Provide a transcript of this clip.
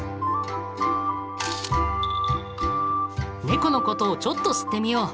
ネコのことをちょっと知ってみよう。